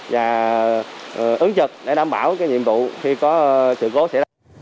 và ứng trực để đảm bảo nhiệm vụ khi có sự cố xảy ra